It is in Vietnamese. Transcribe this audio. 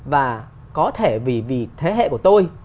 và có thể vì thế hệ của tôi